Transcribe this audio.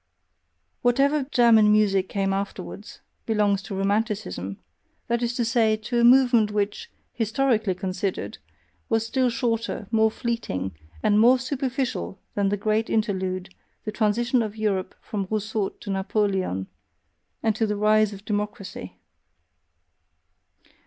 Whatever German music came afterwards, belongs to Romanticism, that is to say, to a movement which, historically considered, was still shorter, more fleeting, and more superficial than that great interlude, the transition of Europe from Rousseau to Napoleon, and to the rise of democracy.